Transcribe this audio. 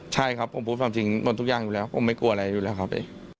ใช่ครับผมพูดความจริงหมดทุกอย่างอยู่แล้วผมไม่กลัวอะไรอยู่แล้วครับ